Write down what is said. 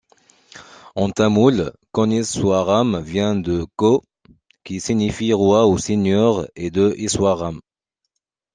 En tamoul, Koneswaram vient de Ko, qui signifie roi ou seigneur et de iswaram.